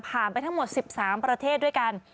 ไปทั้งหมด๑๓ประเทศด้วยกัน